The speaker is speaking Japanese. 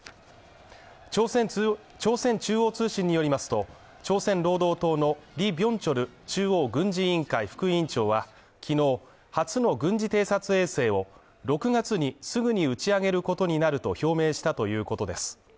朝鮮中央通信によりますと、朝鮮労働党のリ・ビョンチョル中央軍事委員会副委員長は、昨日初の軍事偵察衛星を６月にすぐに打ち上げることになると表明したということです。